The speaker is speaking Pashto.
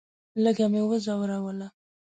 لږه مې وځوروله.